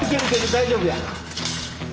大丈夫や！